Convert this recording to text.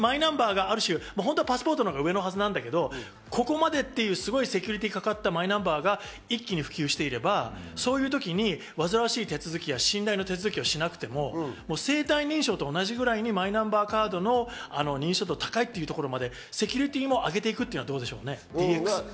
だけど、そこにマイナンバーがある種、パスポートのほうが上のはずなのにここまでっていうセキュリティーがかかったマイナンバーが普及していればわずらわしい手続きや信頼の手続きをしなくても生体認証と同じぐらいマイナンバーカードの認証度が高いというところまで、セキュリティーを上げていくっていうのはどうでしょう。